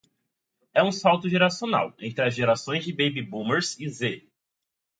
É um salto geracional, entre as gerações de Baby Boomers e Z